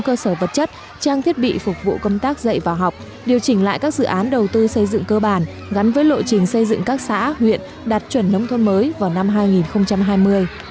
cơ sở vật chất trang thiết bị phục vụ công tác dạy và học điều chỉnh lại các dự án đầu tư xây dựng cơ bản gắn với lộ trình xây dựng các xã huyện đạt chuẩn nông thôn mới vào năm hai nghìn hai mươi